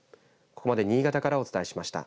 ここまで新潟からお伝えしました。